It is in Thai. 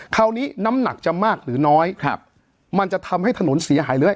น้ำหนักจะมากหรือน้อยครับมันจะทำให้ถนนเสียหายเลย